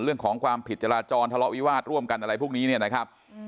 เรื่องของความผิดจราจรทะเลาะวิวาสร่วมกันอะไรพวกนี้เนี่ยนะครับ